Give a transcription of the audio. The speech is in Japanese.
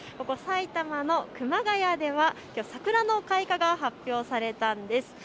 埼玉の熊谷では桜の開花が発表されたんです。